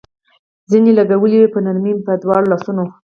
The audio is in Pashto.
زنې لګولې وې، په نرمۍ مې په دواړو لاسونو.